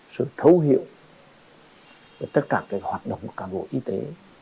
sự thấu hiểu về tất cả hoạt động của cán bộ y tế